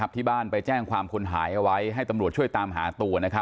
ที่บ้านไปแจ้งความคนหายเอาไว้ให้ตำรวจช่วยตามหาตัว